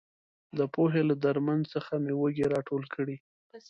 د پوهې له درمن څخه مې وږي راټول کړي.